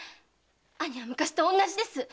兄は昔と同じです。